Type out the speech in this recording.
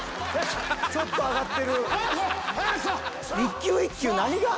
ちょっと上がってるさあ！